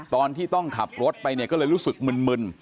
ตอนที่ต้องขับรถไปเนี่ยก็เลยรู้สึกมึน